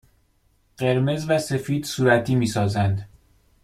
قرمز و سفید صورتی می سازند.